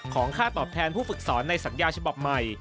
ค่าตอบแทนผู้ฝึกสอนในสัญญาฉบับใหม่